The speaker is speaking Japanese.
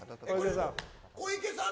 小池さん。